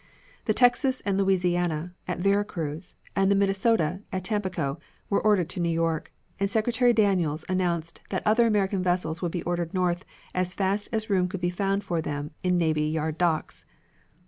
The Texas and Louisiana, at Vera Cruz and the Minnesota, at Tampico, were ordered to New York, and Secretary Daniels announced that other American vessels would be ordered north as fast as room could be found for them in navy yard docks.